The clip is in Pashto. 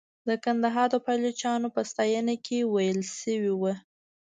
د کندهار د پایلوچانو په ستاینه کې ویل شوې وه.